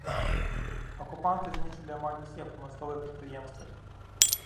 Акупанты знішчылі амаль усе прамысловыя прадпрыемствы.